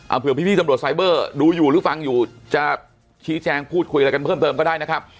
เผื่อพี่ตำรวจไซเบอร์ดูอยู่หรือฟังอยู่จะชี้แจงพูดคุยอะไรกันเพิ่มเติมก็ได้นะครับ